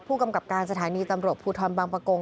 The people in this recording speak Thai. ผู้กำกับการสถานีตำรวจภูทรบางประกง